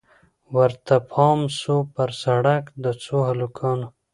ورته پام سو پر سړک د څو هلکانو